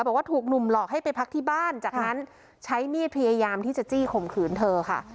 บอกว่าถูกหนุ่มหลอกให้ไปพักที่บ้านจากนั้นใช้มีดพยายามที่จะจี้ข่มขืนเธอค่ะ